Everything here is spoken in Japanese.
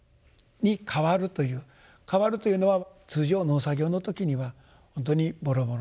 「かわる」というのは通常農作業の時には本当にぼろぼろの。